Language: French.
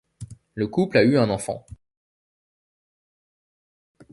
Le couple a eu un enfant.